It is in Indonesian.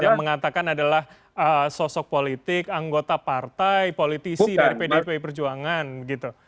yang mengatakan adalah sosok politik anggota partai politisi dari pdi perjuangan gitu